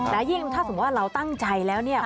และยิ่งถ้าสมมุติว่าเราตั้งใจแล้วเนี่ย